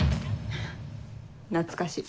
懐かしい。